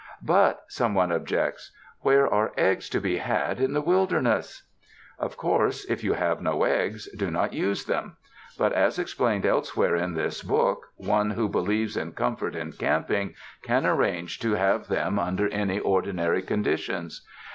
"But," some one objects, "where are eggs to be had in the wilderness?" ► Of course, if you have no eggs, do not use them ; but as explained elsewhere in this book, one who believes in comfort in camping can arrange to have 288 CAMP COOKERY them under any ordinary conditions.